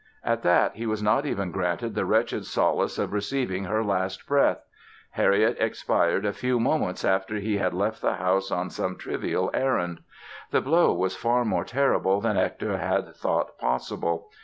At that, he was not even granted the wretched solace of receiving her last breath! Harriet expired a few moments after he had left the house on some trivial errand. The blow was far more terrible than Hector had thought possible.